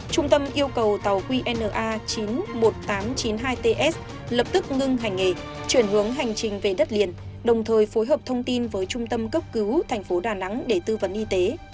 trung tâm yêu cầu tàu qna chín mươi một nghìn tám trăm chín mươi hai ts lập tức ngưng hành nghề chuyển hướng hành trình về đất liền đồng thời phối hợp thông tin với trung tâm cấp cứu thành phố đà nẵng để tư vấn y tế